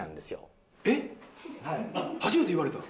初めて言われたわ。